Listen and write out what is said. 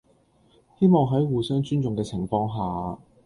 希望喺互相尊重嘅情況下